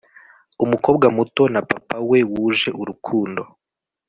Umukobwa muto na papa we wuje urukundo